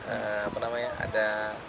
apa namanya ada